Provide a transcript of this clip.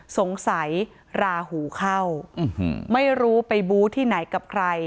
สงสัยราหูเข้าไม่รู้ไปบู้ที่ไหนกับใคร